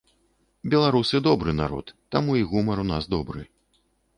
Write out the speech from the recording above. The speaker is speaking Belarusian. Беларусы добры народ, таму і гумар у нас добры.